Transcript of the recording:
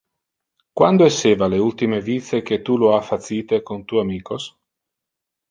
Quando esseva le ultime vice que tu lo ha facite con tu amicos?